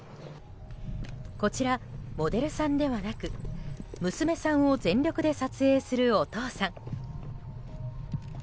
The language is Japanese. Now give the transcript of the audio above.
こちら、モデルさんではなく娘さんを全力で撮影するお父さん。